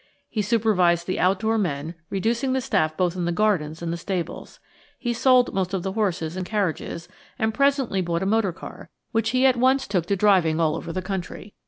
He supervised the outdoor men, reducing the staff both in the gardens and the stables. He sold most of the horses and carriages, and presently bought a motor car, which he at once took to driving all over the country.